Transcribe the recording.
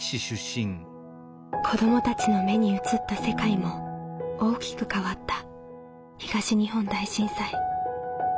子どもたちの目に映った世界も大きく変わった東日本大震災。